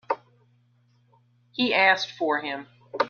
He asked for him.